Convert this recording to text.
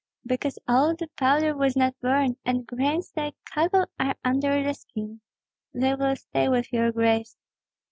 "Because all the powder was not burned, and grains like cockle are under the skin. They will stay with your grace.